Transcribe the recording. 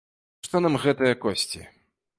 А што нам гэтыя косці?